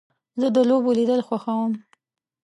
زه د لوبو لیدل خوښوم.